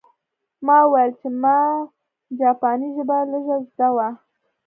ما وویل چې ما جاپاني ژبه لږه زده وه